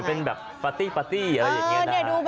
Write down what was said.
ปาร์ตี้ปาร์ตี้